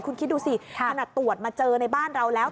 คุณคิดดูสิขนาดตรวจมาเจอในบ้านเราแล้ว